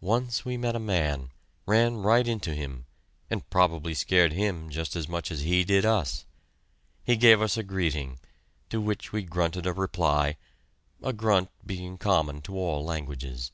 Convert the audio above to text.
Once we met a man ran right into him and probably scared him just as much as he did us. He gave us a greeting, to which we grunted a reply, a grunt being common to all languages.